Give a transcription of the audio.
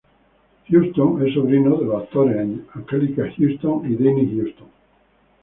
Huston es sobrino de los actores Anjelica Huston y Danny Huston.